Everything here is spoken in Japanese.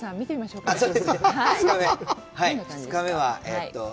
２日目、はい。